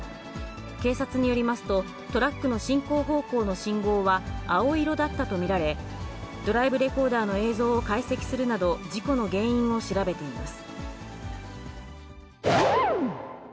警察によりますと、トラックの進行方向の信号は青色だったと見られ、ドライブレコーダーの映像を解析するなど、事故の原因を調べています。